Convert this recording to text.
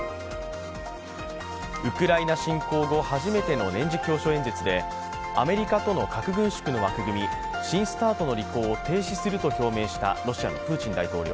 ウクライナ侵攻後、初めての年次教書演説でアメリカとの核軍縮の枠組み新ＳＴＡＲＴの履行を停止すると表明したロシアのプーチン大統領。